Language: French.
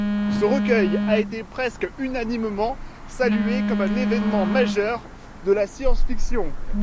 Ce recueil a été presque unanimement salué comme un événement majeur de la science-fiction.